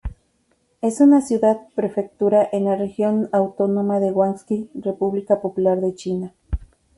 Es una ciudad-prefectura en la región autónoma de Guangxi, República Popular de China.